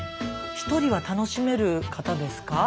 ひとりは楽しめる方ですか？